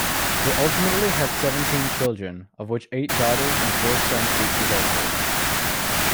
They ultimately had seventeen children, of which eight daughters and four sons reached adulthood.